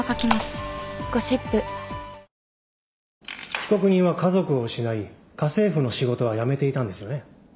被告人は家族を失い家政婦の仕事は辞めていたんですよね。